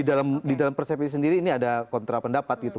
iya jadi di dalam persepi ini sendiri ini ada kontra pendapat gitu